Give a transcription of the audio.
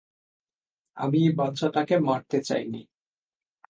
আমি বাচ্চাটাকে মারতে চাই নি।